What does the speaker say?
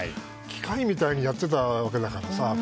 機械みたいにやってたわけだからさ。